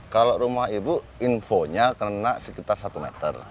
kalau rumah ibu infonya kena sekitar satu meter